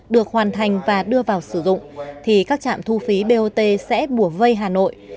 được hoàn thành và đưa vào sử dụng thì các chạm thu phí bot sẽ bủa vây hà nội